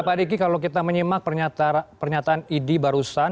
pak diki kalau kita menyimak pernyataan idi barusan